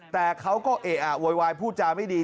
แต่เขาก็เอะอะโวยวายพูดจาไม่ดี